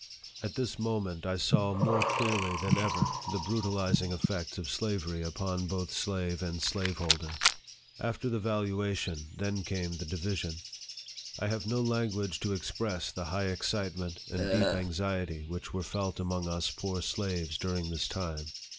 At this moment, I saw more clearly than ever the brutalizing effects of slavery upon both slave and slaveholder. After the valuation, then came the division. I have no language to express the high excitement and deep anxiety which were felt among us poor slaves during this time.